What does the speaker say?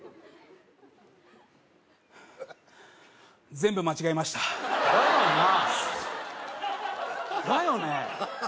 全部間違えましただよなだよね